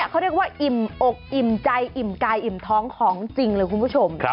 เขาเรียกว่าอิ่มอกอิ่มใจอิ่มกายอิ่มท้องของจริงเลยคุณผู้ชม